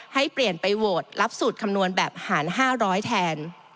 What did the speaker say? ให้เปลี่ยนไปโหวตรับสูตรคำนวณแบบหาร๕๐๐แทน